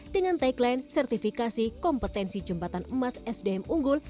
dengan tagline sertifikasi kompetensi jembatan emas sdm unggul